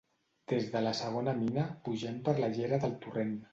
Des de la segona mina, pugem per la llera del torrent.